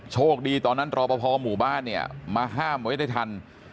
โชคดีตอนนั้นรอปภหมู่บ้านเนี่ยมาห้ามไว้ได้ทัน